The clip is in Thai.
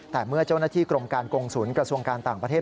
แต่เมื่อเจ้าหน้าที่กรมการกงศูนย์กระทรวงการต่างประเทศ